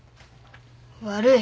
悪い。